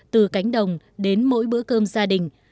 từ cánh đồng đến mỗi bữa cơm gia đình